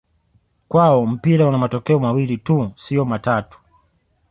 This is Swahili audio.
Kwao mpira una matokeo mawili tu sio matatu